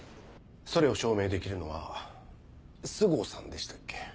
それを証明できるのは須郷さんでしたっけ？